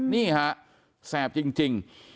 นี่ฮะแสบจริง